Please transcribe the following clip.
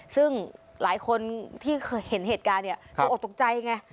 ซึ่งหลายคนที่เห็นเหตุการณ์เนี่ยตกออกตกใจไง